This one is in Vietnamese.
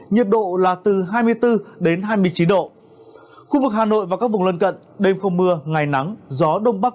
nhiệt độ từ một mươi bảy đến hai mươi năm độ